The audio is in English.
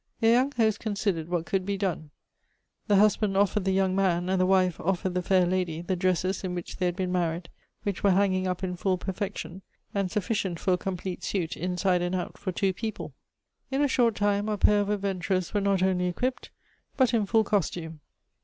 "Their young hosts considered what could be done. The husband offered the young man, and the wife offered the fair lady, the dresses in which they had been married, which were hanging up in full perfection, and sufficient for a complete suit, inside and out, for two people. In a short time our pair of adventurers were not only equipped, but in full costume.